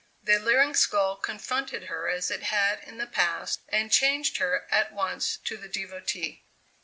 The leering skull confronted her as it had in the past and changed her at once to the devotee.